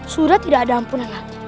surat tidak ada ampunan